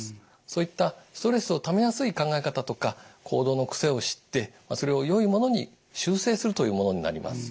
そういったストレスをためやすい考え方とか行動の癖を知ってそれをよいものに修正するというものになります。